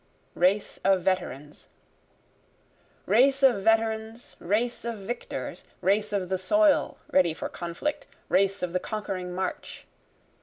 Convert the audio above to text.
Race of Veterans Race of veterans race of victors! Race of the soil, ready for conflict race of the conquering march!